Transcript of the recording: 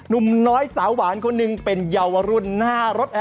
หนุ่มน้อยสาวหวานคนหนึ่งเป็นเยาวรุ่นหน้ารถ